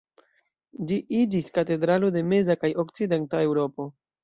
Ĝi iĝis katedralo de meza kaj okcidenta Eŭropo.